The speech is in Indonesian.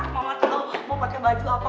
mama tau mau pake baju apa